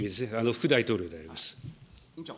副大統領であります。